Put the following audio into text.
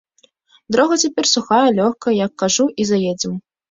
Дарога цяпер сухая, лёгкая, як кажу, і заедзем.